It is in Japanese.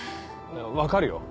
分かるよ。